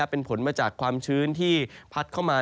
เป็นผลมาจากความชื้นที่พัดเข้ามา